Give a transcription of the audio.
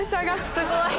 すごい。